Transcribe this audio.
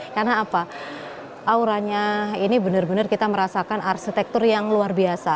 karena apa auranya ini benar benar kita merasakan arsitektur yang luar biasa